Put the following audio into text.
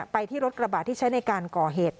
ที่รถกระบะที่ใช้ในการก่อเหตุ